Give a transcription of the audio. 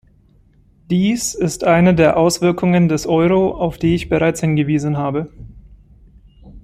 Dies ist eine der Auswirkungen des Euro, auf die ich bereits hingewiesen habe.